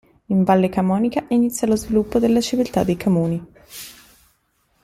In Valle Camonica inizia lo sviluppo della civiltà dei Camuni.